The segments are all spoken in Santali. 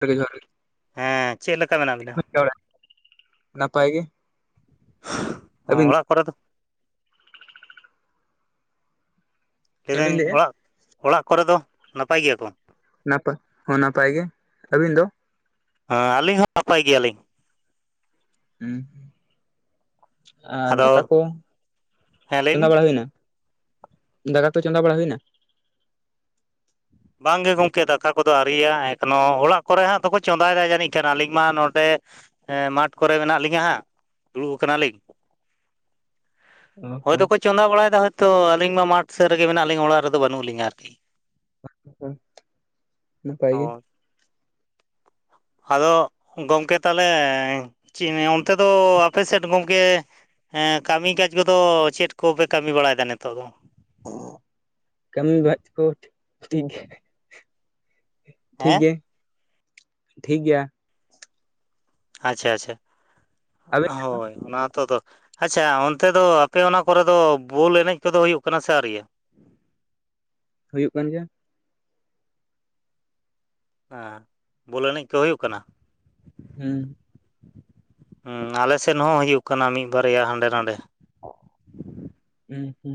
[unintelligible] ᱦᱮᱸ ᱪᱮᱫ ᱞᱮᱠᱟ ᱢᱮᱱᱟᱜ ᱵᱤᱱᱟ? ᱱᱟᱯᱟᱭ ᱜᱮ᱾ ᱦᱚᱸ ᱟᱹᱵᱤᱱ ᱚᱲᱟᱜ ᱠᱚᱨᱮ ᱫᱚ ᱪᱮᱫ ᱵᱤᱱ ᱞᱟᱹᱭᱫᱟᱹᱧ ᱞᱟᱹᱭᱮᱜᱼᱟ ᱚᱲᱟᱜ, ᱚᱲᱟᱜ ᱠᱚᱨᱮ ᱫᱚ ᱱᱟᱯᱟᱭ ᱜᱮᱭᱟ ᱠᱚ? ᱱᱟᱯᱟ ᱦᱚᱸ ᱱᱟᱯᱟᱭ ᱜᱮ᱾ ᱟᱹᱵᱤᱱ ᱫᱚ? ᱟ ᱟᱹᱞᱤᱧ ᱦᱚᱸ ᱱᱟᱯᱟᱭ ᱜᱮᱭᱟᱞᱤᱧ᱾ ᱩᱸ ᱟᱨ ᱟᱫᱚ ᱫᱟᱠᱟ ᱠᱚ ᱦᱮᱸ ᱞᱟᱹᱭ ᱵᱤᱱ? ᱪᱚᱸᱫᱟ ᱵᱟᱲᱟ ᱦᱩᱭᱱᱟ? ᱫᱟᱠᱟ ᱛᱚ ᱪᱚᱸᱫᱟ ᱵᱟᱲᱟ ᱦᱩᱭᱱᱟ? ᱵᱟᱝᱜᱮ ᱜᱚᱝᱠᱮ ᱫᱟᱠᱟ ᱠᱚᱫᱚ ᱟᱹᱣᱨᱤᱭᱟᱜᱼᱟ ᱮᱠᱷᱚᱱᱳ ᱚᱲᱟᱜ ᱠᱚᱨᱮ ᱦᱟᱸᱜ ᱫᱚᱠᱚ ᱪᱚᱸᱫᱟᱭᱫᱟ ᱡᱟᱹᱱᱤᱡ ᱠᱷᱟᱱ, ᱟᱹᱞᱤᱧ ᱢᱟ ᱱᱚᱸᱰᱮ ᱦᱮᱸ ᱢᱟᱴᱷ ᱠᱚᱨᱮ ᱢᱮᱱᱟᱜ ᱞᱤᱧᱟᱹ ᱦᱟᱸᱜ ᱫᱩᱲᱩᱵ ᱠᱟᱱᱟᱞᱤᱧ᱾ [inaudible] ᱚ ᱦᱚᱸ ᱦᱚᱭᱛᱚ ᱠᱚ ᱪᱚᱸᱫᱟ ᱵᱟᱲᱟᱭᱫᱟ, ᱦᱚᱭᱛᱚ ᱟᱹᱞᱤᱧ ᱢᱟ ᱢᱟᱴᱷ ᱥᱮᱜ ᱨᱮᱜᱮ ᱢᱮᱱᱟᱜ ᱞᱤᱧ, ᱚᱲᱟᱜ ᱨᱮᱫᱚ ᱵᱟᱹᱱᱩᱜ ᱞᱤᱧᱟ ᱟᱨᱠᱤ᱾ [inaudible] ᱱᱟᱯᱟᱭ ᱜᱮ᱾ ᱚ ᱟᱫᱚ ᱜᱚᱝᱠᱮ ᱛᱟᱦᱞᱮ [inaudible] ᱚᱱᱛᱮ ᱫᱚ ᱟᱯᱮ ᱥᱮᱫ ᱜᱚᱝᱠᱮ ᱦᱮᱸ ᱠᱟᱹᱢᱤ ᱠᱟᱡᱽ ᱠᱚᱫᱚ ᱪᱮᱫ ᱠᱚᱯᱮ ᱠᱟᱹᱢᱤ ᱵᱟᱲᱟᱭᱫᱟ ᱱᱤᱛᱚᱜ ᱫᱚ? ᱠᱟᱹᱢᱤ ᱵᱟᱡ ᱠᱚ ᱴᱷᱤᱠ ᱜᱮ ᱴᱷᱤᱠ ᱦᱮᱸ? ᱜᱮ, ᱴᱷᱤᱠ ᱜᱮᱭᱟ᱾ ᱟᱪᱪᱷᱟ ᱟᱪᱪᱷᱟ ᱟᱵᱮᱱ ᱥᱮᱫ ᱫᱚ ᱦᱳᱭ ᱚᱱᱟ ᱦᱚᱛᱚ ᱫᱚ ᱟᱪᱪᱷᱟ ᱚᱱᱛᱮ ᱫᱚ ᱟᱯᱮ ᱚᱱᱟ ᱠᱚᱨᱮ ᱫᱚ ᱵᱚᱞ ᱮᱱᱮᱡ ᱠᱚᱫᱚ ᱦᱩᱭᱩᱜ ᱠᱟᱱᱟ ᱥᱮ ᱟᱣᱨᱤᱭᱟ? ᱦᱩᱭᱩᱜ ᱠᱟᱱ ᱜᱮᱭᱟ᱾ ᱟ ᱵᱚᱞ ᱮᱱᱮᱡ ᱠᱚ ᱦᱩᱭᱩᱜ ᱠᱟᱱᱟ? ᱦᱩᱸ ᱦᱩᱸ ᱟᱞᱮᱥᱮᱫ ᱦᱚᱸ ᱦᱩᱭᱩᱜ ᱠᱟᱱᱟ ᱢᱤᱜ ᱵᱟᱨᱭᱟ ᱦᱟᱸᱰᱮ ᱱᱟᱰᱮ᱾ ᱦᱩᱸ ᱦᱩᱸ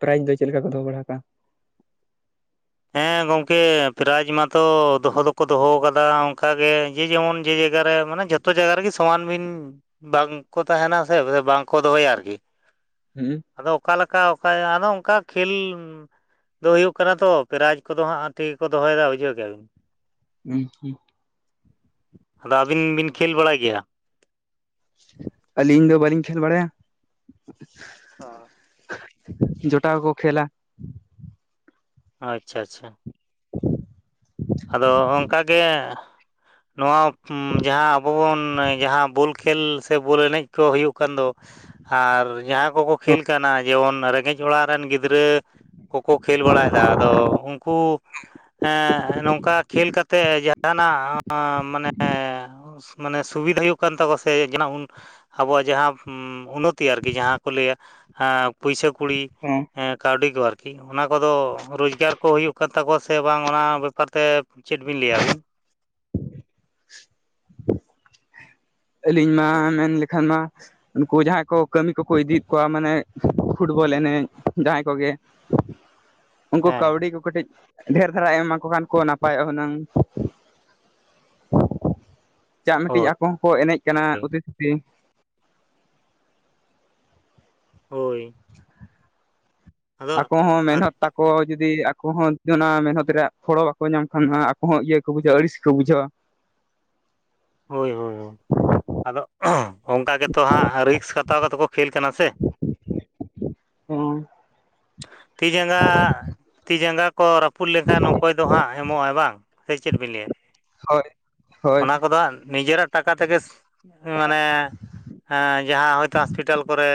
ᱯᱨᱟᱭᱤᱡᱽ ᱫᱚ ᱪᱮᱫ ᱞᱮᱠᱟ ᱠᱚ ᱫᱚᱦᱚ ᱵᱟᱲᱟ ᱠᱟᱜᱼᱟ? ᱦᱮᱸ ᱜᱚᱝᱠᱮ ᱯᱨᱟᱭᱤᱡᱽ ᱢᱟᱛᱚ ᱫᱚᱦᱚ ᱫᱚᱠᱚ ᱫᱚᱦᱚᱣ ᱠᱟᱫᱟ ᱚᱝᱠᱟ ᱜᱮ ᱡᱮ ᱡᱮᱢᱚᱱ ᱡᱮ ᱡᱟᱭᱜᱟ ᱨᱮ ᱢᱟᱱᱮ ᱡᱷᱚᱛᱚ ᱡᱟᱭᱜᱟ ᱨᱮᱜᱮ ᱥᱚᱢᱟᱱ ᱵᱤᱱ ᱵᱟᱝᱠᱚ ᱛᱟᱦᱮᱱᱟ ᱥᱮ [inaudible] ᱵᱟᱝᱠᱚ ᱫᱚᱦᱚᱭᱟ ᱟᱨᱠᱤ᱾ ᱦᱩᱸ ᱟᱫᱚ ᱚᱠᱟ ᱞᱮᱠᱟ ᱚᱠᱟ [unintelligible] ᱟᱫᱚ ᱚᱝᱠᱟ ᱠᱷᱮᱞ ᱫᱚ ᱦᱩᱭᱩᱜ ᱠᱟᱱᱟ ᱛᱚ᱾ ᱯᱨᱟᱭᱤᱡ ᱠᱚᱫᱚ ᱦᱟᱸᱜ ᱴᱷᱤᱠ ᱜᱮ ᱠᱚ ᱫᱚᱦᱚᱭᱫᱟ, ᱵᱩᱡᱷᱟᱹᱣ ᱠᱮᱜᱼᱟ ᱵᱤᱱ? [inaudible] ᱟᱫᱚ ᱟᱹᱵᱤᱱ ᱵᱤᱱ ᱠᱷᱮᱞ ᱵᱟᱲᱟᱭ ᱜᱮᱭᱟ? ᱟᱹᱞᱤᱧ ᱫᱚ ᱵᱟᱹᱞᱤᱧ ᱠᱷᱮᱞ ᱵᱟᱲᱟᱭᱟ᱾ ᱚ ᱡᱚᱴᱟᱣ ᱠᱚ ᱠᱷᱮᱞᱟ᱾ ᱟᱪᱪᱷᱟ ᱟᱪᱪᱷᱟ᱾ ᱟᱫᱚ ᱚᱝᱠᱟ ᱜᱮ, ᱱᱚᱣᱟ ᱩᱢ ᱡᱟᱦᱟᱸ ᱟᱵᱚ ᱵᱚᱱ ᱡᱟᱦᱟᱸ ᱵᱩᱞ ᱠᱷᱮᱞ ᱥᱮ ᱵᱚᱞ ᱮᱱᱮᱡ ᱠᱚ ᱦᱩᱭᱩᱜ ᱠᱟᱱ ᱫᱚ ᱟᱨ ᱡᱟᱦᱟᱸ ᱠᱚᱠᱚ ᱠᱷᱮᱞ ᱠᱟᱱᱟ ᱡᱮᱢᱚᱱ ᱨᱮᱸᱜᱮᱡ ᱚᱲᱟᱜ ᱨᱮᱱ ᱜᱤᱫᱽᱨᱟᱹ ᱠᱚᱠᱚ ᱠᱷᱮᱞ ᱵᱟᱲᱟᱭᱫᱟ ᱟᱫᱚ ᱩᱝᱠᱩ ᱮᱸ ᱱᱚᱝᱠᱟ ᱠᱷᱮᱞ ᱠᱟᱛᱮᱜ ᱡᱟᱦᱟᱱᱟᱜ ᱢᱟᱱᱮ ᱥᱩ ᱢᱟᱱᱮ ᱥᱩᱵᱤᱫᱟ ᱦᱩᱭᱩᱜ ᱠᱟᱱ ᱛᱟᱠᱚᱣᱟ ᱥᱮ ᱡᱟᱦᱟᱸ ᱩᱱ ᱟᱵᱚᱣᱟᱜ ᱡᱟᱦᱟᱸ ᱩᱢ ᱩᱱᱱᱚᱛᱤ ᱟᱨᱠᱤ ᱡᱟᱦᱟᱸ ᱠᱚ ᱞᱟᱹᱭᱟ ᱟᱸ ᱯᱩᱭᱥᱟᱹ ᱠᱩᱲᱤ᱾ ᱚᱸ ᱦᱮᱸ ᱠᱟᱹᱣᱰᱤ ᱠᱚ ᱟᱨᱠᱤ ᱚᱱᱟ ᱠᱚᱫᱚ ᱨᱳᱡᱽᱜᱟᱨ ᱠᱚ ᱦᱩᱭᱩᱜ ᱠᱟᱱ ᱛᱟᱠᱚᱣᱟ ᱥᱮ ᱵᱟᱝ ᱚᱱᱟ ᱵᱮ ᱯᱟᱨᱛᱮ ᱪᱮᱫ ᱵᱤᱱ ᱞᱮᱭᱟ ᱟᱵᱤᱱ? [unintelligible] ᱟᱹᱞᱤᱧ ᱢᱟ ᱢᱮᱱ ᱞᱮᱠᱷᱟᱱ ᱢᱟ ᱩᱱᱠᱩ ᱡᱟᱦᱟᱸᱭ ᱠᱚ ᱠᱟᱹᱢᱤ ᱠᱚᱠᱚ ᱤᱫᱤᱭᱮᱫ ᱠᱚᱣᱟ ᱢᱟᱱᱮ ᱯᱷᱩᱴᱵᱚᱞ ᱮᱱᱮᱡ ᱡᱟᱦᱟᱸᱭ ᱠᱚᱜᱮ ᱩᱱᱠᱩ ᱦᱮᱸ ᱠᱟᱹᱣᱰᱤ ᱠᱚ ᱠᱟᱹᱴᱤᱡ ᱰᱷᱮᱨ ᱫᱷᱟᱨᱟ ᱮᱢᱟ ᱠᱚ ᱠᱷᱟᱱ ᱠᱚ ᱱᱟᱯᱟᱭᱚᱜᱼᱟ ᱦᱩᱱᱟᱹᱝ᱾ ᱪᱟᱜ ᱢᱤᱫᱴᱤᱡ ᱦᱳᱭ ᱟᱠᱚ ᱦᱚᱸᱠᱚ ᱮᱱᱮᱡ ᱠᱟᱱᱟ ᱚᱛᱤ ᱥᱚᱛᱤ ᱦᱳᱭ᱾ ᱟᱫᱚ ᱟᱠᱚ ᱦᱚᱸ ᱟᱫ ᱢᱮᱦᱱᱚᱛ ᱛᱟ ᱟᱠᱚ ᱡᱩᱫᱤ ᱟᱠᱚ ᱦᱚᱸ ᱚᱱᱟ ᱢᱮᱦᱱᱚᱛ ᱨᱮᱭᱟᱜ ᱯᱷᱚᱲᱚ ᱵᱟᱠᱚ ᱧᱟᱢ ᱠᱷᱟᱱ ᱦᱟᱸᱜ ᱟᱠᱚ ᱦᱚᱸ ᱤᱭᱟᱹ ᱠᱚ ᱵᱩᱡᱷᱟᱹᱣᱟ ᱟᱹᱲᱤᱥ ᱠᱚ ᱵᱩᱡᱷᱟᱹᱣᱟ᱾ ᱦᱳᱭ ᱦᱳᱭ ᱦᱳᱭ, ᱟᱫᱚ ᱚᱱᱠᱟ ᱜᱮᱛᱚ ᱦᱟᱸᱜ ᱨᱤᱠᱥ ᱦᱟᱛᱟᱣ ᱠᱟᱛᱮ ᱠᱚ ᱠᱷᱮᱞ ᱠᱟᱱᱟ ᱥᱮ᱾ ᱦᱚᱸ᱾ ᱛᱤ ᱡᱟᱸᱜᱟ ᱛᱤ ᱡᱟᱸᱜᱟ ᱠᱚ ᱨᱟᱹᱯᱩᱫ ᱞᱮᱱᱠᱷᱟᱱ ᱚᱠᱚᱭ ᱫᱚ ᱦᱟᱸᱜ ᱮᱢᱚᱜᱼᱟᱭ ᱵᱟᱝ? ᱥᱮ ᱪᱮᱫ ᱵᱤᱱ ᱞᱮᱭᱟ? ᱦᱳᱭ ᱦᱳᱭ ᱚᱱᱟ ᱠᱚᱫᱚ ᱦᱟᱸᱜ ᱱᱤᱡᱮᱨᱟᱜ ᱴᱟᱠᱟ ᱛᱮᱜᱮ ᱢᱟᱱᱮᱸ ᱮᱸ ᱡᱟᱦᱟᱸ ᱦᱚᱭᱛᱳ ᱦᱚᱥᱯᱤᱴᱟᱞ ᱠᱚᱨᱮ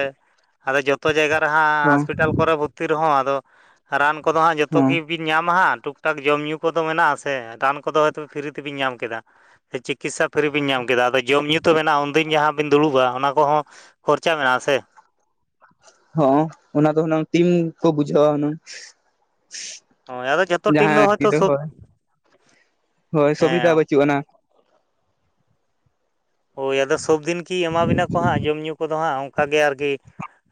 ᱟᱫᱚ ᱡᱚᱛᱚ ᱡᱟᱭᱜᱟ ᱨᱮ ᱦᱟᱸᱜ ᱦᱚᱸ ᱦᱟᱥᱯᱤᱴᱟᱞ ᱠᱚᱨᱮ ᱵᱷᱚᱨᱛᱤ ᱨᱮᱦᱚᱸ ᱟᱫᱚ ᱨᱟᱱ ᱠᱚᱫᱚ ᱦᱟᱸᱜ ᱡᱚᱛᱚ ᱦᱚᱸ ᱜᱤ ᱵᱤ ᱧᱟᱢᱟ ᱦᱟᱸᱜ ᱴᱩᱠ ᱴᱟᱠ ᱡᱚᱢᱼᱧᱩ ᱠᱚᱫᱚ ᱢᱮᱱᱟᱜ-ᱟ ᱥᱮ ᱨᱟᱱ ᱠᱚᱫᱚ ᱦᱚᱭᱛᱳ ᱯᱷᱤᱨᱤ ᱛᱮᱵᱤᱱ ᱧᱟᱢ ᱠᱮᱫᱟ᱾ ᱥᱮ ᱪᱤᱠᱤᱥᱥᱟ ᱯᱷᱤᱨᱤ ᱵᱤᱱ ᱧᱟᱢ ᱠᱮᱫᱟ ᱟᱫᱚ ᱡᱚᱢᱼᱧᱩ ᱛᱚ ᱢᱮᱱᱟᱜᱼᱟ ᱩᱱᱫᱤᱱ ᱡᱟᱦᱟᱸ ᱵᱤᱱ ᱫᱩᱲᱩᱵᱼᱟ ᱚᱱᱟ ᱠᱚᱦᱚᱸ ᱠᱷᱚᱨᱪᱟ ᱢᱮᱱᱟᱜᱼᱟ ᱥᱮ? ᱦᱚᱸ ᱚᱱᱟ ᱫᱚ ᱦᱩᱱᱟᱹᱝ ᱴᱤᱢ ᱠᱚ ᱵᱩᱡᱷᱟᱹᱣᱟ ᱦᱩᱱᱟᱹᱝ᱾ ᱦᱳᱭ ᱟᱫᱚ ᱡᱚᱛᱚ ᱴᱤᱢ ᱫᱚ ᱡᱟᱦᱟᱸ ᱦᱚᱭᱛᱳ ᱠᱤᱫᱚ ᱥᱚᱵ ᱦᱳᱭ, ᱦᱳᱭ ᱥᱩᱵᱤᱫᱟ ᱦᱮᱸ ᱵᱟᱹᱪᱩᱜ ᱟᱱᱟ᱾ ᱦᱳᱭ ᱟᱫᱚ ᱥᱚᱵ ᱫᱤᱱ ᱠᱤ ᱮᱢᱟ ᱵᱤᱱᱟ ᱠᱚ ᱦᱟᱸᱜ ᱡᱚᱢᱼᱧᱩ ᱠᱚᱫᱚ ᱦᱟᱸᱜ ᱚᱱᱠᱟ ᱜᱮ ᱟᱨᱠᱤ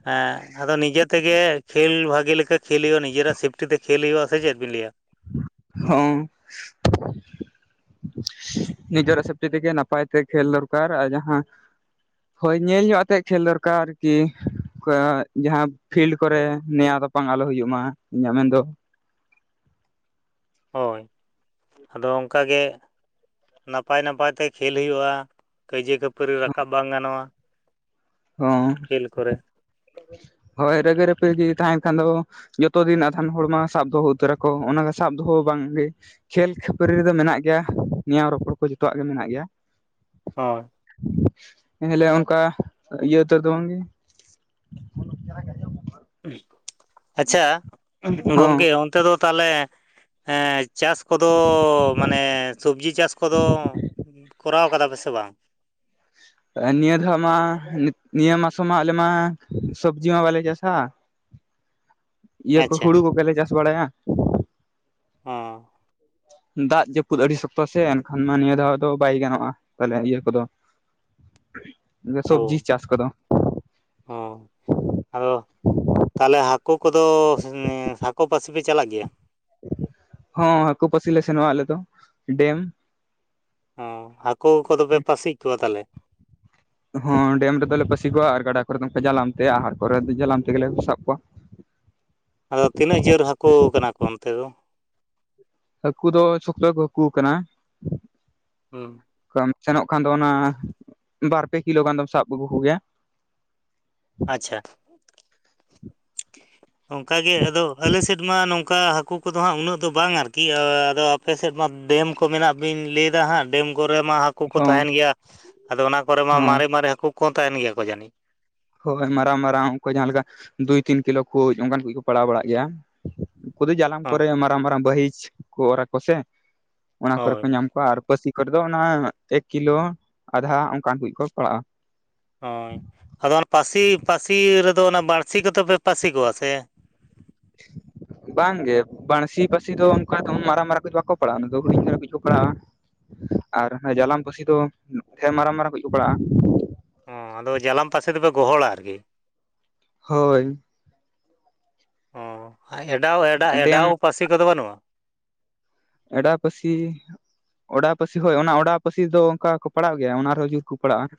ᱦᱮᱸ ᱟᱫᱚ ᱱᱤᱡᱮ ᱛᱮᱜᱮ ᱠᱷᱮᱞ ᱵᱷᱟᱜᱮ ᱞᱮᱠᱟ ᱠᱷᱮᱞ ᱦᱩᱭᱩᱜᱼᱟ ᱱᱤᱡᱮᱨᱟᱜ ᱥᱮᱯᱴᱤ ᱛᱮ ᱠᱷᱮᱞ ᱦᱩᱭᱩᱜ-ᱟ ᱥᱮ ᱪᱮᱫ ᱵᱤᱱ ᱞᱮᱭᱟ? ᱦᱚᱸ᱾ ᱱᱤᱡᱮᱨᱟᱜ ᱥᱮᱯᱴᱤ ᱛᱮᱜᱮ ᱱᱟᱯᱟᱭ ᱛᱮ ᱠᱷᱮᱞ ᱫᱚᱨᱠᱟᱨ ᱟᱨ ᱡᱟᱦᱟᱸ ᱦᱳᱭ ᱧᱮᱞ ᱧᱚᱜ ᱟᱛᱮᱫ ᱠᱷᱮᱞ ᱫᱚᱨᱠᱟᱨ ᱠᱤ ᱟ ᱡᱟᱦᱟᱸ ᱯᱷᱤᱞᱰ ᱠᱚᱨᱮ ᱱᱮᱭᱟ ᱫᱚ ᱵᱟᱝ ᱟᱞᱚ ᱦᱩᱭᱩᱜ ᱢᱟ ᱤᱧᱟᱹᱜ ᱢᱮᱱᱫᱚ᱾ ᱦᱳᱭ, ᱟᱫᱚ ᱚᱝᱠᱟ ᱜᱮ ᱱᱟᱯᱟᱭ ᱱᱟᱯᱟᱭ ᱛᱮ ᱠᱷᱮᱞ ᱦᱩᱭᱩᱜᱼᱟ, ᱠᱟᱹᱭᱡᱟᱹ ᱠᱷᱟᱹᱯᱟᱹᱨᱤ ᱨᱟᱠᱟᱵ ᱵᱟᱝ ᱜᱟᱱᱚᱜᱼᱟ᱾ ᱦᱚᱸ ᱠᱷᱮᱞ ᱠᱚᱨᱮ ᱦᱳᱭ ᱨᱟᱹᱜᱟᱹ ᱨᱟᱹᱯᱟᱹᱜᱤ ᱛᱟᱦᱮᱸᱱ ᱠᱷᱟᱱ ᱫᱚ ᱡᱚᱛᱚ ᱫᱤᱱ ᱟᱫᱷᱟᱱ ᱦᱚᱲ ᱢᱟ ᱥᱟᱵ ᱫᱚᱦᱚ ᱩᱛᱟᱹᱨᱟ ᱟᱠᱚ ᱚᱱᱟ ᱥᱟᱵ ᱫᱚᱦᱚ ᱵᱟᱝ ᱜᱮᱼᱼ ᱠᱷᱮᱞ ᱠᱷᱟᱹᱯᱟᱹᱨᱤ ᱨᱮᱫᱚ ᱢᱮᱱᱟᱜ ᱜᱮᱭᱟ, ᱱᱮᱭᱟᱣ ᱨᱚᱯᱚᱲ ᱠᱚ ᱡᱚᱛᱚᱣᱟᱜ ᱜᱮ ᱢᱮᱱᱟᱜ ᱜᱮᱭᱟ᱾ ᱦᱚᱭ᱾ ᱮ ᱦᱤᱞᱮ ᱚᱱᱠᱟ ᱤᱭᱟᱹ ᱩᱛᱟᱹᱨ ᱫᱚ ᱵᱟᱝᱜᱮ᱾ [inaudible] ᱟᱪᱪᱷᱟ, ᱦᱚᱸ ᱜᱚᱢᱠᱮ ᱚᱱᱛᱮ ᱫᱚ ᱛᱟᱞᱮ ᱮᱸ ᱪᱟᱥ ᱠᱚᱫᱚ ᱢᱟᱱᱮ ᱥᱚᱵᱽᱡᱤ ᱪᱟᱥ ᱠᱚᱫᱚ ᱠᱚᱨᱟᱣ ᱠᱟᱫᱟ ᱯᱮ ᱥᱮ ᱵᱟᱝ? [unintelligible] ᱮᱸ ᱱᱤᱭᱟᱹ ᱫᱷᱟᱜ ᱢᱟ ᱱᱤᱛ ᱱᱤᱭᱟᱹ ᱢᱟᱥᱚᱢ ᱢᱟ ᱟᱞᱮ ᱢᱟ ᱥᱚᱵᱽᱡᱤ ᱢᱟ ᱵᱟᱞᱮ ᱪᱟᱥᱟ᱾ ᱤᱭᱟᱹ ᱠᱩ ᱟᱪᱪᱷᱟ ᱦᱩᱲᱩ ᱠᱚᱜᱮᱞᱮ ᱪᱟᱥ ᱵᱟᱲᱟᱭᱟ᱾ ᱦᱚᱸ᱾ ᱫᱟᱜ ᱡᱟᱹᱯᱩᱫ ᱟᱹᱰᱤ ᱥᱚᱠᱛᱚ ᱥᱮ ᱮᱱᱠᱷᱟᱱ ᱢᱟ ᱱᱤᱭᱟᱹ ᱫᱷᱟᱣ ᱫᱚ ᱵᱟᱭ ᱜᱟᱱᱚᱜᱼᱟ᱾ ᱛᱟᱦᱞᱮ ᱤᱭᱟᱹ ᱠᱚᱫᱚ, ᱚ ᱥᱚᱵᱡᱤ ᱪᱟᱥ ᱠᱚᱫᱚ᱾ ᱦᱚᱸ, ᱟᱫᱚ ᱛᱟᱦᱞᱮ ᱦᱟᱠᱳ ᱠᱚᱫᱚ ᱥᱮᱸ ᱦᱟᱠᱳ ᱯᱟᱹᱥᱤᱯᱮ ᱪᱟᱞᱟᱜ ᱜᱮᱭᱟ? ᱦᱚ ᱸ ᱦᱟᱠᱳ ᱯᱟᱹᱥᱤ ᱞᱮ ᱥᱮᱱᱚᱜᱼᱟ ᱟᱞᱮ ᱫᱚ ᱰᱮᱢ᱾ ᱚ, ᱦᱟᱠᱳ ᱠᱚᱫᱚ ᱯᱮ ᱯᱟᱥᱤ ᱠᱚᱣᱟ ᱛᱟᱞᱦᱮ? ᱦᱚᱸ ᱰᱮᱢ ᱨᱮᱫᱚᱞᱮ ᱯᱟᱥᱤ ᱠᱚᱣᱟ᱾ ᱟᱨ ᱜᱟᱰᱟ ᱠᱚᱨᱮ ᱫᱚ ᱡᱟᱞᱟᱢ ᱛᱮ ᱟᱦᱟᱨ ᱠᱚᱨᱮ ᱫᱚ ᱡᱟᱞᱟᱢ ᱛᱮᱜᱮᱱᱞᱮ ᱥᱟᱵ ᱠᱚᱣᱟ᱾ [unintelligible] ᱟᱫᱚ ᱛᱤᱱᱟᱹᱜ ᱡᱳᱨ ᱦᱟᱹᱠᱩ ᱠᱟᱱᱟ ᱠᱚ ᱚᱱᱛᱮ ᱫᱚ? ᱦᱟᱹᱠᱩ ᱫᱚ ᱥᱚᱠᱛᱚ ᱜᱮ ᱠᱚ ᱦᱟᱹᱠᱩ ᱠᱟᱱᱟ᱾ ᱦᱩᱸ᱾ ᱠᱟᱢ ᱥᱮᱱᱚᱜ ᱠᱷᱟᱱ ᱫᱚ ᱚᱱᱟ ᱵᱟᱨ ᱯᱮ ᱠᱤᱞᱳ ᱜᱟᱱ ᱫᱚᱢ ᱥᱟᱵ ᱟᱹᱜᱩ ᱠᱚᱜᱮᱭᱟ᱾ ᱟᱪᱪᱷᱟ᱾ ᱚᱱᱠᱟ ᱜᱮ ᱟᱫᱚ ᱟᱞᱮ ᱥᱮᱫ ᱢᱟ ᱱᱚᱝ ᱠᱟ ᱦᱟᱹᱠᱩ ᱠᱚᱫᱚ ᱦᱟᱸᱜ ᱩᱱᱟᱹᱜ ᱫᱚ ᱵᱟᱝ ᱟᱨᱠᱤ ᱟᱫᱚ ᱟᱯᱮ ᱥᱮᱫ ᱢᱟ ᱰᱮᱢ ᱠᱚ ᱢᱮᱱᱟᱜ ᱵᱤᱱ ᱞᱮᱭ ᱫᱟ ᱦᱟᱸᱜ᱾ ᱰᱮᱢ ᱠᱚᱨᱮ ᱢᱟ ᱦᱟᱹᱠᱩ ᱠᱚ ᱦᱚᱸ ᱛᱟᱦᱮᱱ ᱜᱮᱭᱟ, ᱟᱫᱚ ᱚᱱᱟ ᱠᱚᱨᱮ ᱢᱟ ᱦᱚᱸ ᱢᱟᱨᱮ ᱢᱟᱨᱮ ᱦᱟᱹᱠᱩ ᱠᱚᱦᱚᱸ ᱛᱟᱦᱮᱱ ᱜᱮᱭᱟ ᱠᱚ ᱡᱟᱹᱱᱤᱡ? ᱦᱳᱭ, ᱢᱟᱨᱟᱝ ᱢᱟᱨᱟᱝ ᱚᱝᱠᱚ ᱡᱟᱦᱟᱸ ᱞᱮᱠᱟ ᱫᱩᱭ ᱛᱤᱱ ᱠᱤᱞᱳ ᱠᱳᱡ ᱚᱱᱠᱟᱱ ᱠᱚ ᱯᱟᱲᱟᱣ ᱵᱟᱲᱟᱜ ᱜᱮᱭᱟ᱾ ᱩᱱᱠᱩ ᱫᱚ ᱡᱟᱞᱟᱢ ᱦᱳᱭ ᱠᱚᱨᱮ ᱢᱟᱨᱟᱝ ᱢᱟᱨᱟᱝ ᱵᱟᱹᱦᱤᱡ ᱠᱚ ᱚᱨ ᱟᱠᱚ ᱥᱮ, ᱚᱱᱟ ᱠᱚᱨᱮ ᱦᱳᱭ ᱠᱚ ᱧᱟᱢ ᱠᱚᱣᱟ ᱟᱨ ᱯᱟᱹᱥᱤ ᱠᱚᱨᱮ ᱫᱚ ᱚᱱᱟ ᱮᱠ ᱠᱤᱞᱳ ᱟᱫᱷᱟ ᱚᱱᱠᱟᱱ ᱠᱚᱭᱤᱡ ᱠᱚ ᱯᱟᱲᱟᱜᱼᱟ᱾ ᱦᱳᱭ, ᱟᱫᱚ ᱚᱱᱟ ᱯᱟᱹᱥᱤ ᱯᱟᱹᱥᱤ ᱨᱮᱫᱚ ᱚᱱᱟ ᱵᱟᱹᱲᱥᱤ ᱠᱚᱛᱮ ᱯᱮ ᱯᱟᱹᱥᱤ ᱠᱚᱣᱟ ᱥᱮ? [unintelligible] ᱵᱟᱝ ᱜᱮ ᱵᱟᱹᱲᱥᱤ ᱯᱟᱹᱥᱤ ᱫᱚ ᱚᱱᱠᱟ ᱩᱱ ᱢᱟᱨᱟᱝ ᱢᱟᱨᱟᱝ ᱠᱚᱡ ᱵᱟᱠᱚ ᱯᱟᱲᱟᱜᱼᱟ ᱚᱱᱟ ᱫᱚ, ᱦᱩᱰᱤᱧ ᱫᱷᱟᱨᱟ ᱠᱤᱪᱷᱩ ᱠᱚ ᱯᱟᱲᱟᱜᱼᱟ᱾ ᱟᱨ ᱡᱟᱞᱟᱢ ᱯᱟᱹᱥᱤ ᱫᱚ ᱦᱮᱸ, ᱢᱟᱨᱟᱝ ᱢᱟᱨᱟᱝ ᱠᱚᱡ ᱠᱚ ᱯᱟᱲᱟᱜᱼᱟ᱾ ᱚ ᱟᱫᱚ ᱡᱟᱞᱟᱢ ᱯᱟᱥᱤ ᱫᱚᱯᱮ ᱜᱚᱦᱚᱲᱟ ᱟᱨᱠᱤ? ᱦᱳᱭ᱾ ᱚ ᱟ ᱮᱰᱟᱣ ᱮᱰᱟ ᱮᱰᱟᱣ ᱰᱮᱢ ᱯᱟᱹᱥᱤ ᱠᱚᱫᱚ ᱵᱟᱱᱩᱜ-ᱟ? ᱮᱰᱟᱣ ᱯᱟᱹᱥᱤ ᱚᱰᱟᱣ ᱯᱟᱹᱥᱤ ᱦᱳᱭ ᱚᱱᱟ ᱯᱟᱹᱥᱤ ᱫᱚ ᱚᱱᱠᱟ ᱠᱚ ᱯᱟᱲᱟᱜ ᱜᱮᱭᱟ, ᱚᱱᱟ ᱨᱮᱦᱚᱸ ᱡᱩᱨ ᱠᱚ ᱯᱟᱲᱟᱜᱼᱟ᱾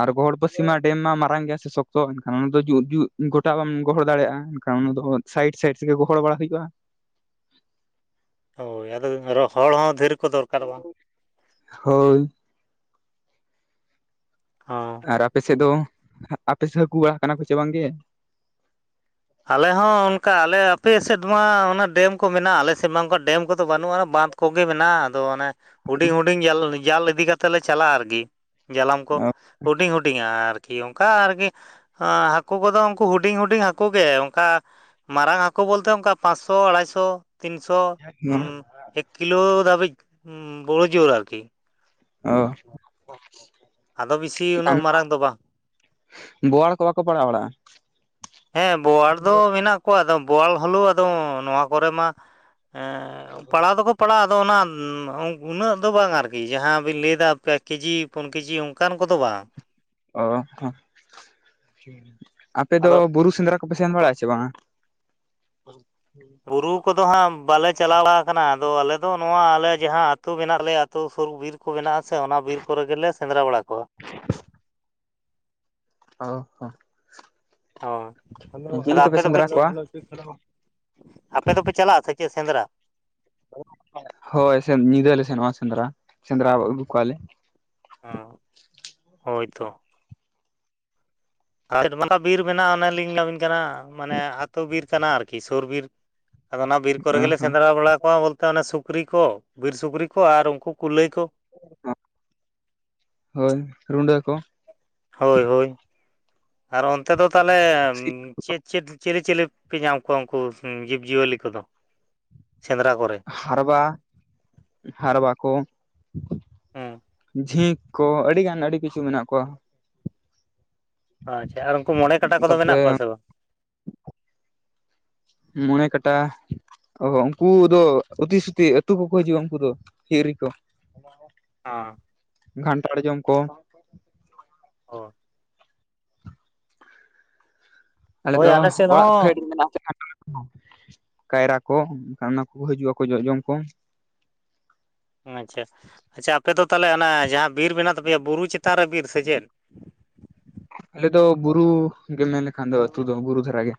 ᱟᱨ ᱜᱚᱦᱚᱲ ᱯᱟᱥᱤ ᱢᱟ ᱰᱮᱢ ᱢᱟ ᱢᱟᱨᱟᱝ ᱜᱮᱭᱟ ᱥᱮ ᱥᱚᱠᱛᱚ ᱮᱱᱠᱷᱟᱱ ᱚᱱᱟ ᱫᱚ ᱡᱩ ᱡᱩᱛ ᱜᱚᱴᱟ ᱵᱟᱢ ᱜᱚᱦᱚᱲ ᱫᱟᱲᱮᱭᱟᱜᱼᱟ᱾ ᱚᱱᱟ ᱫᱚ ᱥᱟᱭᱤᱰ ᱥᱟᱭᱤᱰ ᱛᱮᱜᱮ ᱜᱚᱦᱚᱲ ᱵᱟᱲᱟ ᱦᱩᱭᱩᱜᱼᱟ᱾ ᱦᱳᱭ ᱟᱫᱚ ᱟᱨᱚ ᱦᱚᱲ ᱦᱚᱸ ᱫᱷᱟ. ᱨ [inaudible] ᱦᱳᱭ᱾ ᱚᱸ᱾ ᱟᱨ ᱟᱯᱮ ᱥᱮᱫ ᱫᱚ, ᱟᱯᱮ ᱥᱮᱫ ᱦᱟᱹᱠᱩ ᱵᱟᱲᱟ ᱠᱟᱱᱟ ᱠᱚ ᱪᱮ ᱵᱟᱝᱜᱮ? ᱟᱞᱮ ᱦᱚᱸ ᱚᱱᱠᱟ ᱟᱞᱮ ᱟᱯᱮ ᱥᱮᱫ ᱢᱟ ᱚᱱᱟ ᱰᱮᱢ ᱠᱚ ᱢᱮᱱᱟᱜᱼᱟ᱾ ᱟᱞᱮ ᱥᱮᱫ ᱢᱟ ᱚᱱᱠᱟ ᱰᱮᱢ ᱠᱚᱫᱚ ᱵᱟᱹᱱᱩᱜᱼᱟ ᱱᱟ ᱵᱟᱸᱫᱷ ᱠᱚᱜᱮ ᱢᱮᱱᱟᱜᱼᱟ᱾ ᱟᱫᱚ ᱚᱱᱮ ᱦᱩᱰᱤᱧ ᱦᱤᱰᱤᱧ ᱡᱟᱞ ᱡᱟᱞ ᱤᱫᱤ ᱠᱟᱛᱮ ᱞᱮ ᱪᱟᱞᱟᱜᱼᱟ ᱟᱨᱠᱤ᱾ ᱡᱟᱞᱟᱢ ᱠᱚ, ᱦᱩᱰᱤᱧ ᱦᱩᱰᱤᱧᱟ ᱟᱨ ᱠᱤ ᱚᱱᱠᱟ ᱟᱨᱠᱤ ᱟᱸ ᱦᱟᱹᱠᱩ ᱠᱚᱫᱚ ᱩᱱᱠᱩ ᱦᱩᱰᱤᱧ ᱦᱩᱰᱤᱧ ᱦᱟᱠ ᱠᱚ ᱴᱜᱮ ᱚᱱᱠᱟ ᱢᱟᱨᱟᱝ ᱦᱟᱹᱠᱩ ᱵᱚᱞᱛᱮ ᱚᱱᱠᱟ ᱯᱟᱸᱪᱥᱥᱚ ᱟᱲᱟᱭᱥᱚ᱾ ᱛᱤᱱᱥᱚ ᱩᱸ ᱮᱠ ᱠᱤᱞᱳ ᱫᱷᱟᱹᱵᱤᱡ ᱵᱚᱲᱳ ᱡᱳᱨ ᱟᱨᱠᱤ᱾ ᱚ᱾ ᱟᱫᱚ ᱵᱤᱥᱤ ᱩᱱᱟᱹᱜ ᱢᱟᱨᱟᱝ ᱫᱚ ᱵᱟᱝ᱾ ᱵᱳᱣᱟᱲ ᱠᱚ ᱵᱟᱠᱚ ᱯᱟᱲᱟᱣ ᱵᱟᱲᱟᱜᱼᱟ? ᱦᱮᱸ, ᱵᱳᱣᱟᱲ ᱫᱚ ᱢᱮᱱᱟᱜ ᱠᱚᱣᱟ ᱟᱫᱚ ᱵᱚᱣᱟᱞ ᱦᱚᱞᱳ ᱟᱫᱚ ᱱᱚᱣᱟ ᱠᱚᱨᱮ ᱢᱟ ᱮᱸ ᱯᱟᱲᱦᱟᱣ ᱫᱚᱠᱚ ᱯᱟᱲᱦᱟᱜᱼᱟ ᱟᱫᱚ ᱚᱱᱟ ᱩᱸ ᱩᱱᱟᱹᱜ ᱫᱚ ᱵᱟᱝ ᱟᱨᱠᱤ ᱡᱟᱦᱟᱸ ᱵᱤᱱ ᱞᱮᱭ ᱫᱟ ᱯᱮ ᱠᱮᱡᱤ ᱯᱩᱱ ᱠᱮᱡᱤ ᱚᱱᱠᱟᱱ ᱠᱚᱫᱚ ᱵᱟᱝ᱾ ᱚ, ᱦᱚ, ᱟᱯᱮ ᱫᱚ ᱟᱫᱚ ᱵᱩᱨᱩ ᱥᱮᱱᱫᱽᱨᱟ ᱡᱟᱯᱮ ᱥᱮᱱ ᱵᱟᱲᱟᱜᱼᱟ ᱪᱮ ᱵᱟᱝᱟ? ᱵᱩᱨᱩ ᱠᱚᱫᱚ ᱦᱟᱸᱜ ᱵᱟᱞᱮ ᱪᱟᱞᱟᱣ ᱵᱟᱲᱟ ᱠᱟᱱᱟ ᱟᱫᱚ ᱟᱞᱮ ᱫᱚ ᱱᱚᱣᱟ ᱟᱞᱮ ᱡᱟᱦᱟᱸ ᱟᱹᱛᱩ ᱢᱮᱱᱟᱜ ᱞᱮᱭᱟ ᱟᱹᱛᱳ ᱥᱩᱨ ᱵᱤᱨ ᱠᱚ ᱢᱮᱱᱟᱜᱼᱟ ᱥᱮ ᱚᱱᱟ ᱵᱤᱨ ᱠᱚᱨᱮ ᱜᱮᱞᱮ ᱥᱮᱸᱫᱽᱨᱟ ᱵᱟᱲᱟ ᱠᱚᱣᱟ᱾ [inaudible] ᱦᱳᱭ᱾ ᱟᱫᱚ ᱪᱤᱞᱤ ᱠᱚᱯᱮ ᱟᱯᱮ ᱫᱚᱯᱮ ᱥᱮᱸᱫᱽᱨᱟ ᱪᱮᱫ ᱠᱚᱣᱟ? ᱟᱯᱮ ᱫᱚᱯᱮ ᱪᱟᱞᱟᱜᱼᱟ ᱥᱮ ᱪᱮᱫ ᱥᱮᱸᱫᱽᱨᱟ? ᱦᱳᱭ ᱧᱤᱫᱟᱹ ᱞᱮ ᱥᱮᱱᱚᱜ-ᱟ ᱥᱮᱸᱫᱽᱨᱟ ᱥᱮᱸᱫᱽᱨᱟ ᱟᱹᱜᱩ ᱠᱚᱣᱟ ᱞᱮ ᱚᱸ ᱦᱳᱭ ᱛᱳ᱾ ᱟᱨ [inaudible] ᱵᱤᱨ ᱢᱮᱱᱟᱜᱼᱟ ᱚᱱᱮ ᱞᱤᱧ ᱞᱟᱹᱭ ᱟᱵᱤᱱ ᱠᱟᱱᱟ ᱢᱟᱱᱮ ᱟᱹᱛᱳ ᱵᱤᱨ ᱠᱟᱱᱟ ᱟᱨᱠᱤ ᱥᱳᱨ ᱵᱤᱨ᱾ ᱟᱫᱚ ᱚᱱᱟ ᱵᱤᱨ ᱠᱚᱨᱮ ᱚ ᱜᱮᱞᱮ ᱦᱚᱸ ᱥᱮᱸᱫᱽᱨᱟ ᱵᱟᱲᱟ ᱠᱚᱣᱟ ᱵᱚᱞᱛᱮ ᱚᱱᱟ ᱥᱩᱠᱨᱤ ᱠᱚ ᱵᱤᱨ ᱥᱩᱠᱨᱤ ᱠᱚ ᱟᱨ ᱩᱱᱠᱩ ᱠᱩᱞᱟᱹᱭ ᱠᱚ᱾ ᱦᱳᱭ ᱨᱩᱰᱟᱹ ᱠᱚ᱾ ᱦᱳᱭ ᱦᱳᱭ ᱟᱨ ᱚᱱᱛᱮ ᱫᱚ ᱛᱟᱦᱚᱞᱮ ᱪᱮᱫ ᱪᱮᱫ ᱪᱮᱞᱮ ᱪᱮᱞᱮ ᱯᱮ ᱧᱟᱢ ᱠᱚᱣᱟ ᱩᱱᱠᱩ ᱡᱤᱵᱽᱡᱤᱭᱟᱹᱞᱤ ᱠᱚᱫᱚ ᱥᱮᱸᱫᱽᱨᱟ ᱠᱚᱨᱮ? ᱦᱟᱨᱵᱟ ᱦᱟᱨᱵᱟ ᱠᱚ᱾ ᱦᱩᱸ᱾ ᱡᱷᱤᱸᱠ ᱠᱚ ᱟᱹᱰᱤᱜᱟᱱ ᱟᱹᱰᱤ ᱠᱤᱪᱷᱩ ᱢᱮᱱᱟᱜ ᱠᱚᱣᱟ᱾ ᱟᱪᱪᱷᱟ ᱟᱨ ᱩᱱᱠᱩ ᱢᱚᱬᱮ ᱠᱟᱴᱟ ᱠᱚᱫᱚ ᱢᱮᱱᱟᱜ ᱛᱟᱯᱚᱨᱮ ᱠᱚᱣᱟ ᱥᱮ ᱵᱟᱝ? ᱢᱚᱬᱮ ᱠᱟᱴᱟ ᱚ ᱦᱚ ᱩᱱᱠᱩ ᱫᱚ ᱩᱛᱤ ᱥᱩᱛᱤ ᱟᱹᱛᱩ ᱠᱚᱠᱚ ᱦᱤᱡᱩᱜᱼᱟ ᱩᱱᱠᱩ ᱫᱚ ᱦᱤᱨᱤ ᱠᱚ᱾ ᱚ ᱠᱷᱟᱱᱴᱷᱟᱲ ᱡᱚᱢ ᱠᱚ᱾ ᱚ ᱟᱞᱮ ᱦᱳᱭ ᱫᱚ ᱥᱮᱫ ᱚᱲᱟᱜ ᱯᱷᱮᱰ ᱦᱚᱸ ᱢᱮᱱᱟᱜᱼᱟ ᱞᱮᱠᱷᱟᱱ [inaudible] ᱠᱟᱭᱨᱟ ᱠᱚ ᱮᱠᱷᱟᱱ ᱚᱱᱟ ᱠᱚ ᱦᱤᱡᱩᱜᱼᱟᱠᱚ ᱡᱚ ᱡᱚᱢ ᱠᱚ᱾ ᱟᱪᱪᱷᱟ ᱟᱪᱪᱷᱟ ᱟᱯᱮ ᱫᱚ ᱛᱟᱦᱚᱞᱮ ᱚᱱᱟ ᱡᱟᱦᱟᱸ ᱵᱤᱨ ᱢᱮᱱᱟᱜ ᱛᱟᱯᱮᱭᱟ ᱵᱩᱨᱩ ᱪᱮᱛᱟᱱ ᱨᱮ ᱵᱤᱨ ᱥᱮ ᱪᱮᱫ? ᱟᱞᱮ ᱫᱚ ᱵᱩᱨᱩ ᱜᱮ ᱢᱮᱱ ᱞᱮᱠᱷᱟᱱ ᱫᱚ ᱟᱹᱛᱩ ᱫᱚ ᱵᱩᱨᱩ ᱫᱷᱟᱨᱮ ᱜᱮ᱾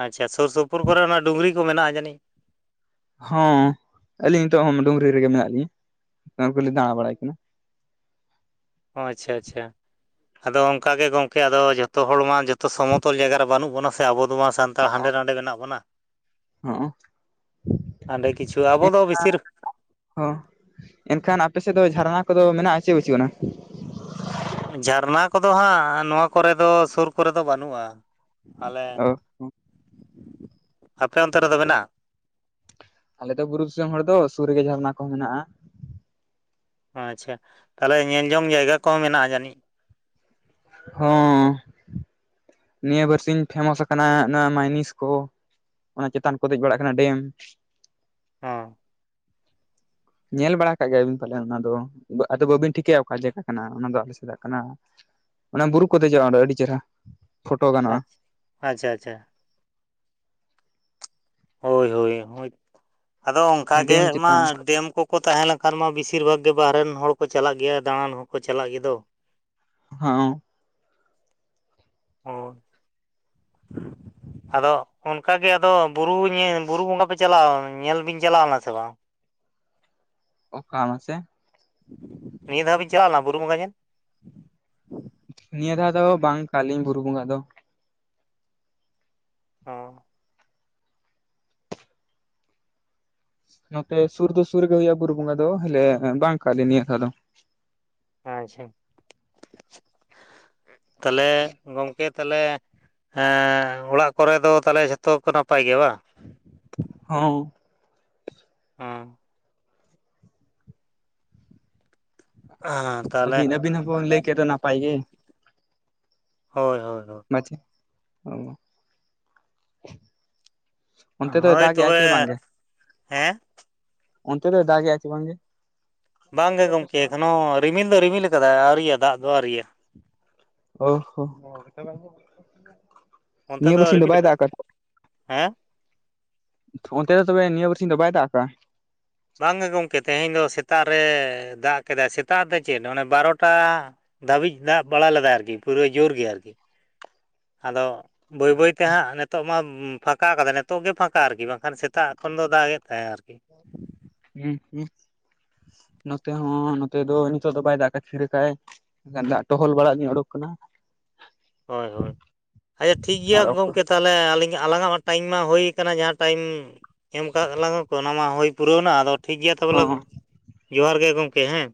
ᱟᱪᱪᱷᱟ ᱥᱩᱨ ᱥᱩᱯᱩᱨ ᱠᱚᱨᱮ ᱚᱱᱟ ᱰᱩᱝᱨᱤ ᱠᱚ ᱢᱮᱱᱟᱜᱼᱟ ᱡᱟᱹᱱᱤᱡ? ᱦᱚᱸ ᱟᱹᱞᱤᱧ ᱱᱤᱛᱚᱜ ᱦᱚᱸ ᱰᱩᱝᱨᱤ ᱨᱮᱜᱮ ᱢᱮᱱᱟᱜ ᱞᱤᱧᱟᱹ ᱚᱱᱟ ᱠᱚᱞᱤᱧ ᱫᱟᱬᱟ ᱵᱟᱲᱟᱭ ᱠᱟᱱᱟ᱾ ᱚ ᱟᱪᱪᱷᱟ ᱟᱪᱪᱷᱟ᱾ ᱟᱫᱚ ᱚᱱᱠᱟᱜ ᱜᱮ ᱜᱚᱢᱠᱮ ᱟᱫᱚ ᱡᱚᱛᱚ ᱦᱚᱲ ᱢᱟ ᱡᱚᱛᱚ ᱥᱚᱢᱚᱛᱚᱞ ᱡᱟᱭᱜᱟ ᱨᱮ ᱵᱟᱹᱱᱩᱜ ᱵᱚᱱᱟ᱾ ᱥᱮ ᱟᱵᱚ ᱫᱚ ᱢᱟ ᱥᱟᱱᱛᱟᱲ ᱦᱟᱸᱰᱮ ᱱᱟᱰᱮ ᱢᱮᱱᱟᱜ ᱵᱚᱱᱟ᱾ ᱦᱚᱸ ᱚᱸ ᱦᱟᱸᱰᱮ ᱠᱤᱪᱷᱩ ᱟᱵᱚ ᱫᱚ ᱢᱮᱱᱠᱷᱟᱱ ᱵᱮᱥᱤᱨ ᱦᱚᱸ ᱮᱱᱠᱷᱟᱱ ᱟᱯᱮ ᱥᱮᱫ ᱫᱚ ᱡᱷᱟᱨᱱᱟ ᱠᱚᱫᱚ ᱢᱮᱱᱟᱜᱼᱟ ᱪᱮᱫ ᱵᱟᱹᱪᱩᱜ ᱟᱱᱟ? ᱡᱷᱟᱨᱱᱟ ᱠᱚᱫᱚ ᱦᱟᱸᱜ ᱱᱚᱣᱟ ᱠᱚᱨᱮ ᱫᱚ ᱥᱳᱨ ᱠᱚᱨᱮ ᱫᱚ ᱵᱟᱹᱱᱩᱜᱼᱟ᱾ ᱟᱞᱮ ᱚ ᱟᱯᱮ ᱚᱱᱛᱮ ᱨᱮᱫᱚ ᱢᱮᱱᱟᱜ-ᱟ? ᱟᱞᱮ ᱫᱚ ᱵᱩᱨᱩ ᱫᱤᱥᱚᱢ ᱦᱚᱲ ᱫᱚ ᱥᱩᱨ ᱨᱮᱜᱮ ᱡᱷᱟᱨᱱᱟ ᱠᱚ ᱢᱮᱱᱟᱜᱼᱟ᱾ ᱟᱪᱪᱷᱟ ᱛᱟᱦᱚᱞᱮ ᱧᱮᱞ ᱡᱚᱝ ᱡᱟᱭᱜᱟ ᱠᱚᱦᱚᱸ ᱢᱮᱱᱟᱜᱼᱟ ᱡᱟᱹᱱᱤᱡ? ᱦᱚᱸ ᱱᱤᱭᱟᱹ ᱵᱟᱨᱥᱤᱧ ᱯᱷᱮᱢᱟᱥ ᱠᱟᱱᱟ ᱱᱚᱣᱟ ᱢᱟᱭᱱᱤᱥ ᱠᱚ᱾ ᱚᱱᱟ ᱪᱮᱛᱟᱱ ᱠᱚ ᱫᱮᱡ ᱵᱟᱲᱟᱜ ᱠᱟᱱᱟ ᱰᱮᱢ᱾ ᱚ ᱧᱮᱞ ᱵᱟᱲᱟ ᱠᱟᱜ ᱜᱮᱭᱟ ᱵᱤᱱ ᱯᱟᱞᱮ ᱚᱱᱟ ᱫᱚ ᱟᱫᱚ ᱵᱟᱹᱵᱤᱱ ᱴᱷᱤᱠᱟᱹᱭᱟ ᱚᱠᱟ ᱡᱟᱭᱜᱟ ᱠᱟᱱᱟ ᱚᱱᱟ ᱫᱚ ᱟᱞᱮ ᱥᱮᱫᱟᱜ ᱠᱟᱱᱟ᱾ ᱚᱱᱟ ᱵᱩᱨᱩ ᱠᱚ ᱫᱮᱡᱚᱜᱼᱟ ᱚᱸᱰᱮ ᱟᱹᱰᱤ ᱪᱮᱦᱨᱟ᱾ ᱟᱪ ᱟᱪᱪᱷᱟ ᱟᱪᱪᱷᱟ᱾ ᱦᱳᱭ ᱦᱳᱭ ᱦᱳᱭ ᱟᱫᱚ ᱚᱱᱠᱟ ᱜᱮ ᱰᱮᱢ ᱢᱟ ᱪᱮᱛᱟᱱ ᱰᱮᱢ ᱠᱚ ᱠᱚ ᱛᱟᱦᱮᱸ ᱞᱮᱱᱠᱷᱟᱱ ᱢᱟ ᱵᱤᱥᱤᱨ ᱵᱷᱟᱜᱽ ᱜᱮ ᱵᱟᱦᱨᱮᱱ ᱦᱚᱲ ᱠᱚ ᱪᱟᱞᱟᱜ ᱜᱮᱭᱟ ᱫᱟᱬᱟᱱ ᱦᱚᱸᱠᱚ ᱪᱟᱞᱟᱜ ᱜᱮ ᱫᱚ᱾ ᱦᱚᱸ ᱦᱳᱭ [inaudible] ᱟᱫᱚ ᱚᱱᱠᱟᱜᱮ ᱟᱫᱚ ᱵᱩᱨᱩ ᱧᱮ ᱵᱩᱨᱩ ᱵᱚᱸᱜᱟ ᱯᱮ ᱪᱟᱞᱟᱣ ᱧᱮᱞ ᱵᱤᱱ ᱪᱟᱞᱟᱣ ᱞᱮᱱᱟ ᱥᱮ ᱵᱟᱝ? [inaudible] ᱚᱠᱟ ᱢᱟᱥᱮ᱾ ᱱᱤᱭᱟᱹ ᱫᱷᱟᱣ ᱵᱤᱱ ᱪᱟᱞᱟᱣ ᱞᱮᱱᱟ ᱵᱩᱨᱩ ᱵᱚᱸᱜᱟ ᱧᱮᱞ? ᱱᱤᱭᱟᱹ ᱫᱷᱟᱣ ᱫᱚ ᱵᱟᱝ ᱠᱟᱜ-ᱟ ᱞᱤᱧ ᱵᱩᱨᱩ ᱵᱚᱸᱜᱟ ᱫᱚ᱾ ᱚ ᱱᱚᱛᱮ ᱥᱩᱨ ᱫᱚ ᱥᱩᱨ ᱨᱮ ᱜᱮ ᱦᱩᱭᱩᱜ-ᱟ ᱵᱩᱨᱩ ᱵᱚᱸᱜᱟ ᱫᱚ, ᱦᱟᱞᱮ ᱵᱟᱝ ᱠᱟᱜ ᱞᱤᱧ ᱱᱤᱭᱟᱹ ᱫᱷᱟᱣ ᱫᱚ᱾ ᱟᱪᱪᱷᱟ [inaudible] ᱛᱟᱦᱚᱸᱞᱮ ᱜᱚᱝᱠᱮ᱾ ᱛᱟᱦᱚᱸᱞᱮ ᱮ ᱚᱲᱟᱜ ᱠᱚᱨᱮ ᱫᱚ ᱛᱟᱦᱚᱸᱞᱮ ᱡᱷᱚᱛᱚ ᱠᱚ ᱱᱟᱯᱟᱭ ᱜᱮᱭᱟ ᱵᱟᱝ᱾ ᱦᱚᱸ᱾ ᱚ ᱦᱮᱸ ᱛᱟᱦᱚᱞᱮ ᱟᱹᱵᱤᱱ ᱟᱹᱵᱤᱱ ᱦᱚᱵᱚ ᱞᱟᱹᱭ ᱠᱮᱫᱚ ᱫᱚ ᱱᱟᱯᱟᱭ ᱜᱮ᱾ ᱦᱳᱭ ᱦᱳᱭ ᱦᱳᱭ᱾ [unintelligible] ᱚ [inaudible] ᱚᱱᱛᱮ ᱫᱚᱭ ᱦᱳᱭ ᱫᱟᱜᱮ-ᱟ ᱛᱚᱵᱮ ᱪᱮ ᱵᱟᱝᱜᱮ? ᱦᱮᱸ [inaudible] ᱚᱱᱛᱮ ᱫᱚᱭ ᱫᱟᱜᱮ ᱪᱮ ᱵᱟᱝᱜᱮ? ᱵᱟᱝ ᱜᱮ ᱜᱚᱢᱠᱮ ᱮᱠᱷᱚᱱᱳ ᱨᱤᱢᱤᱞ ᱫᱚ ᱨᱤᱢᱤᱞ ᱟᱠᱟᱫᱟᱭ ᱟᱹᱣᱨᱤᱭᱟ ᱫᱟᱜ ᱫᱚ ᱟᱹᱣᱨᱤᱭᱟ᱾ ᱚ ᱦᱚᱸ [unintelligible] ᱚᱱᱛᱮ ᱱᱤᱭᱟᱹ ᱵᱟᱨ ᱥᱤᱧ ᱫᱚ ᱨᱤᱢᱤᱞ ᱵᱟᱭ ᱫᱟᱜ ᱟᱠᱟᱫᱟ ᱟᱠᱟᱫ ᱦᱮᱸ ᱚᱱᱛᱮ ᱫᱚ ᱛᱚᱵᱮ ᱱᱤᱭᱟ ᱵᱟᱨ ᱥᱤᱧ ᱫᱚ ᱵᱟᱭ ᱫᱟᱜ ᱠᱟᱜ-ᱟ᱾ ᱵᱟᱝ ᱜᱮ ᱜᱚᱢᱠᱮ ᱛᱮᱦᱮᱸᱧ ᱫᱚ ᱥᱮᱛᱟᱜ ᱨᱮ ᱫᱟᱜ ᱠᱮᱫᱟᱭ ᱥᱮᱛᱟᱜ ᱫᱚ ᱪᱮᱫ ᱚᱱᱮ ᱵᱟᱨᱚᱴᱟ ᱫᱷᱟᱹᱵᱤᱡ ᱫᱟᱜ ᱵᱟᱲᱟ ᱞᱮᱫᱟ ᱟᱹᱨᱠᱤ, ᱯᱩᱨᱟᱹ ᱡᱳᱨ ᱜᱮ ᱟᱹᱨᱠᱤ᱾ ᱟᱫᱚ ᱵᱟᱹᱭ ᱵᱟᱹᱭ ᱛᱮ ᱦᱟᱸᱜ ᱱᱤᱛᱚᱜ ᱢᱟ ᱯᱷᱟᱸᱠᱟ ᱠᱟᱫᱟ ᱱᱤᱛᱚᱜ ᱜᱮ ᱯᱷᱟᱸᱠᱟ ᱟᱹᱨᱠᱤ ᱵᱟᱝ ᱠᱷᱟᱱ ᱥᱮᱛᱟᱜ ᱠᱷᱚᱱ ᱫᱚ ᱫᱟᱜ ᱜᱮ ᱛᱟᱦᱮᱸ ᱟᱹᱨᱠᱤ᱾ ᱦᱩᱸ ᱦᱩᱸ ᱱᱚᱛᱮ ᱦᱚᱸ ᱱᱚᱛᱮ ᱫᱚ ᱱᱤᱛᱚᱜ ᱫᱚ ᱵᱟᱭ ᱫᱟᱜ ᱠᱟᱜ-ᱟᱭ ᱛᱷᱤᱨᱟ ᱠᱟᱜ-ᱟᱭ᱾ ᱮᱱᱠᱷᱟᱱ ᱫᱟᱜ ᱴᱚᱦᱚᱞ ᱵᱟᱲᱟᱜ ᱧᱚᱜ ᱚᱰᱳᱜ ᱠᱟᱱᱟ᱾ ᱦᱳᱭ ᱦᱳᱭ, ᱟᱪᱪᱷᱟ ᱴᱷᱤᱠᱜ ᱜᱮᱭᱟ ᱟᱨ ᱚᱠᱛᱚ ᱜᱚᱢᱠᱮ᱾ ᱛᱟᱦᱚᱸᱞᱮ ᱟᱹᱞᱤᱧ ᱟᱞᱟᱝᱟᱜ ᱢᱟ ᱴᱟᱭᱤᱢ ᱢᱟ ᱦᱩᱭ ᱟᱠᱟᱱᱟ ᱡᱟᱦᱟᱸ ᱴᱟᱭᱤᱢ ᱮᱢ ᱠᱟᱜ ᱞᱟᱝᱟ ᱠᱚ ᱚᱱᱟ ᱢᱟ ᱦᱩᱭ ᱯᱩᱨᱟᱹᱣᱱᱟ ᱟᱫᱚ ᱴᱷᱤᱠ ᱜᱮᱭᱟ ᱛᱚᱵᱚᱞᱮ ᱦᱚᱸ ᱡᱚᱦᱟᱨ ᱜᱮ ᱜᱚᱝᱠᱮ ᱦᱮᱸ᱾